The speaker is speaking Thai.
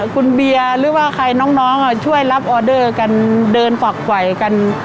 คุณเบียร์หรือว่าใครน้องช่วยรับออเดอร์กันเดินฝักไหวกัน